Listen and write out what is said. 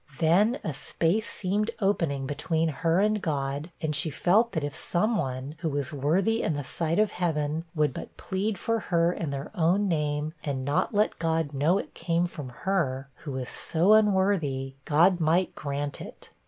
Then a space seemed opening between her and God, and she felt that if some one, who was worthy in the sight of heaven, would but plead for her in their own name, and not let God know it came from her, who was so unworthy, God might grant it.